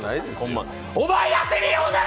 お前やってみ、ほんなら！